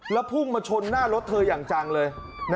แล้วพุ่งมาชนหน้ารถเธออย่างจังเลย